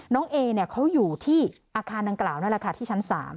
น้องเอเขาอยู่ที่อาคารดังกล่าวนั่นแหละค่ะที่ชั้น๓